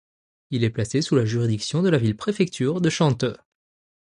Il est placé sous la juridiction de la ville-préfecture de Changde.